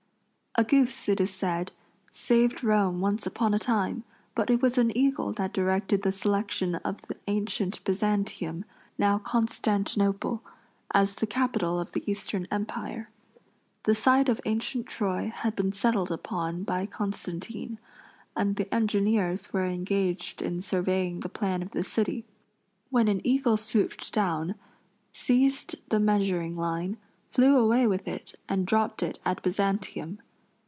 A goose, it is said, saved Rome once upon a time, but it was an eagle that directed the selection of the ancient Byzantium now Constantinople as the capital of the Eastern Empire. The site of ancient Troy had been settled upon by Constantine, and the engineers were engaged in surveying the plan of the city, when an eagle swooped down, seized the measuring line, flew away with it and dropped it at Byzantium.